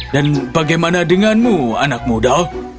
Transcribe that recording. dan bagaimana denganmu anak muda